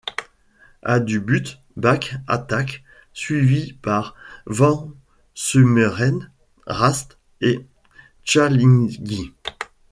À du but, Bak attaque, suivi par Vansummeren, Rast et Tjallingii.